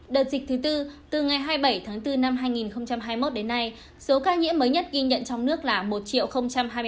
đợt dịch thứ tư từ ngày hai mươi bảy tháng bốn năm hai nghìn hai mươi một đến nay số ca nhiễm mới nhất ghi nhận trong nước là một hai mươi một bốn trăm chín mươi ba ca